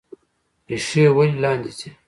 ریښې ولې لاندې ځي؟